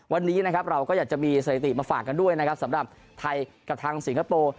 วันนี้นะครับเราก็อยากจะมีสถิติมาฝากกันด้วยนะครับสำหรับไทยกับทางสิงคโปร์